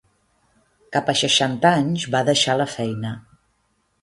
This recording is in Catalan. Cap a seixanta anys va deixar la feina.